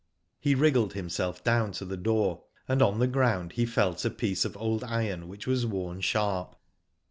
He riggled himself down to the door, aud on the ground he felt a piece of old iron which was worn sharp.